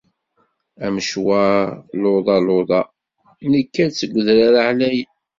Amecwaṛ luḍa luḍa, nekka-d seg udrar ɛlayen.